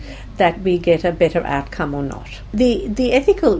jika kami mendapatkan hasil yang lebih baik atau tidak